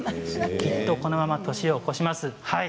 きっとこのまま年を越します。